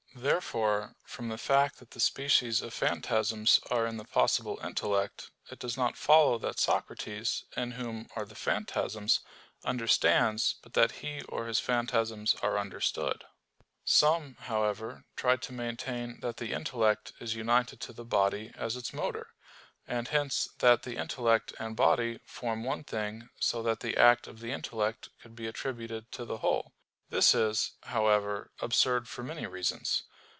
Therefore, from the fact that the species of phantasms are in the possible intellect, it does not follow that Socrates, in whom are the phantasms, understands, but that he or his phantasms are understood. Some, however, tried to maintain that the intellect is united to the body as its motor; and hence that the intellect and body form one thing so that the act of the intellect could be attributed to the whole. This is, however, absurd for many reasons.